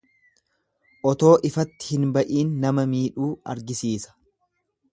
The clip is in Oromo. Otoo ifatti hin ba'iin nama miidhuu argisiisa.